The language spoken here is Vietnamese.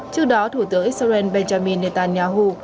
trước đó thủ tướng israel benjamin netanyahu